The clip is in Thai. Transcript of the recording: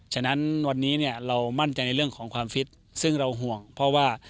ฉะนั้นวันนี้เนี่ยเรามั่นใจในเรื่องของความฟิตซึ่งเราห่วงเพราะว่า